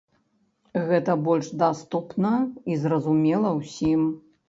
Гэта больш даступна і зразумела ўсім.